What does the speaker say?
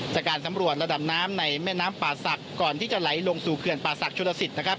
จากการสำรวจระดับน้ำในแม่น้ำป่าศักดิ์ก่อนที่จะไหลลงสู่เขื่อนป่าศักดิชุลสิตนะครับ